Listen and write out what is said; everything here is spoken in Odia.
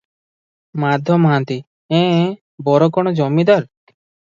ମାଧ ମହାନ୍ତି- ଏଁ- ଏଁ ବର କଣ ଜମିଦାର?